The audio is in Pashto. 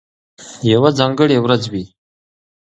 یوه ځانګړې ورځ وي،